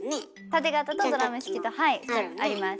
タテ型とドラム式とはいあります。